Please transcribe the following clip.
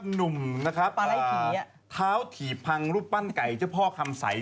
หนุ่มนะครับเท้าถีบพังรูปปั้นไก่เจ้าพ่อคำใส